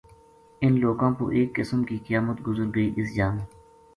اِنھ لوکاں پو ایک قسم کی قیامت گزر گئی اس جا ما